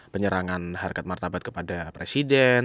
penyerangan harkat martabat kepada presiden